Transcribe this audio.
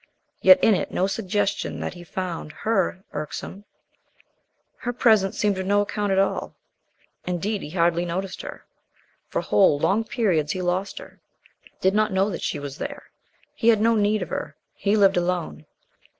Yet, in it, no suggestion that he found her irksome. Her presence seemed of no account at all; indeed, he hardly noticed her. For whole long periods he lost her, did not know that she was there. He had no need of her. He lived alone.